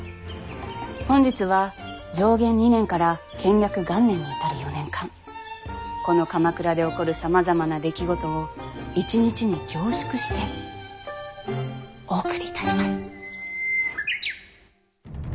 本日は承元２年から建暦元年に至る４年間この鎌倉で起こるさまざまな出来事を一日に凝縮してお送りいたします。